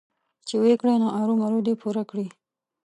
چې ويې کړي نو ارومرو دې يې پوره کړي.